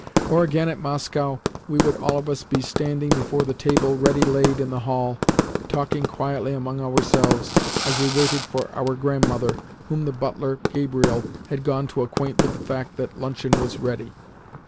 Or, again, at Moscow, we would all of us be standing before the table ready laid in the hall, talking quietly among ourselves as we waited for our grandmother, whom the butler, Gabriel, had gone to acquaint with the fact that luncheon was ready.